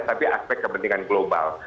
tapi aspek kepentingan global